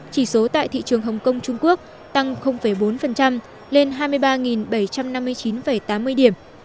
chỉ số tại thị trường hồng kông trung quốc tăng bốn lên hai mươi ba bảy trăm năm mươi chín tám mươi điểm